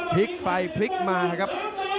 พลิกไปพลิกมาครับ